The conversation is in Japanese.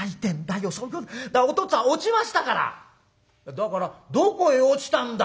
「だからどこへ落ちたんだ？」。